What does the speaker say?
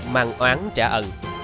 mang oán trả ẩn